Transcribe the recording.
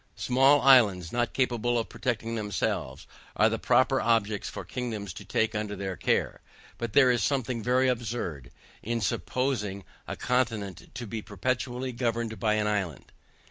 Small islands not capable of protecting themselves, are the proper objects for kingdoms to take under their care; but there is something very absurd, in supposing a continent to be perpetually governed by an island.